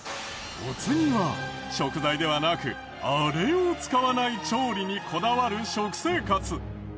お次は食材ではなくあれを使わない調理にこだわる食生活。